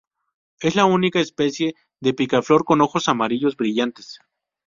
Es la única especie de picaflor con ojos amarillos brillantes.